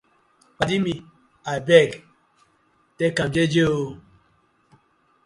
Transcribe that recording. Paadi mi abeg tak am jeje ooo.